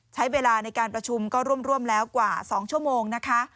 ใช้เวลาในการประชุมก็ร่วมแล้วกว่า๒ชั่วโมงนะคะ